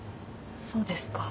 そうですか。